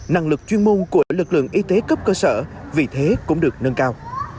năng lực chuyên môn của lực lượng y tế cấp cơ sở vì thế cũng được nâng cao